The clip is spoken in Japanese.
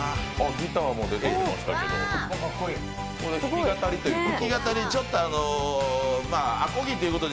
ギターも出てきましたけど、弾き語りということ？